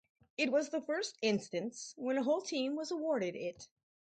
It was the first instance when a whole team was awarded it.